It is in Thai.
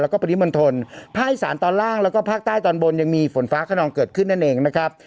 แล้วก็ปริมณฑลภาคอีสานตอนล่างแล้วก็ภาคใต้ตอนบนยังมีฝนฟ้าขนองเกิดขึ้นนั่นเองนะครับ